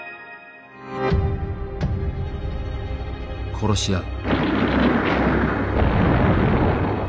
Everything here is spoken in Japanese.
殺し合う。